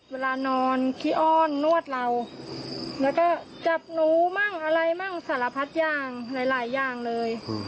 เวลานอนขี้อ้อนนวดเราแล้วก็จับหนูมั่งอะไรมั่งสารพัดอย่างหลายอย่างเลย